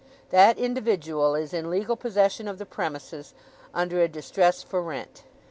That individual is in legal possession of the premises, under a distress for rent.